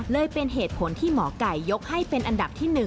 เลยเป็นเหตุผลที่หมอไก่ยกให้เป็นอันดับที่๑